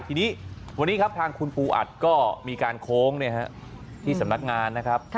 ทีนี้วันนี้ครับทางคุณปูอัดก็มีการโค้งที่สำนักงานนะครับ